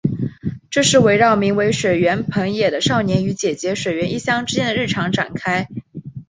这是围绕名为水原朋也的少年与姐姐水原一香之间的日常展开。